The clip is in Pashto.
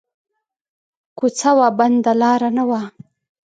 کو څه وه بنده بله لار نه وه